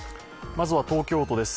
まずは東京都です。